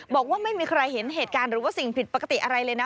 บอกว่าไม่มีใครเห็นเหตุการณ์หรือว่าสิ่งผิดปกติอะไรเลยนะ